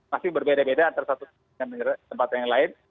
masih berbeda beda antara satu dengan tempat yang lain